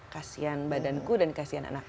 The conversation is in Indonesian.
kasian badanku dan kasian anak anak